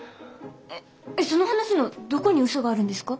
えっその話のどこに嘘があるんですか？